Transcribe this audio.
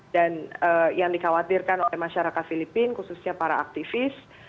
dan yang dikhawatirkan oleh masyarakat filipina khususnya para aktivis